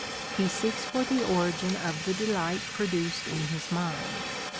He seeks for the origin of the delight produced in his mind.